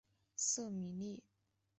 瑟米利。